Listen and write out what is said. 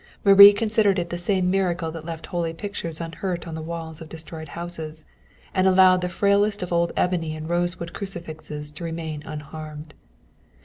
Marie considered it the same miracle that left holy pictures unhurt on the walls of destroyed houses, and allowed the frailest of old ebony and rosewood crucifixes to remain unharmed.